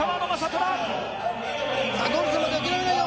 虎さあゴールするまで諦めないよ